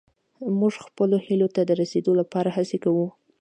موږ خپلو هيلو ته د رسيدا لپاره هڅې کوو.